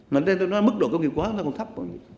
nói đến mức độ công nghiệp hóa nó còn thấp